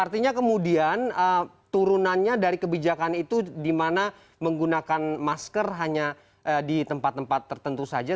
artinya kemudian turunannya dari kebijakan itu di mana menggunakan masker hanya di tempat tempat tertentu saja